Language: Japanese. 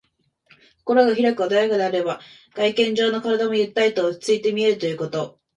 心が広く穏やかであれば、外見上の体もゆったりと落ち着いて見えるということ。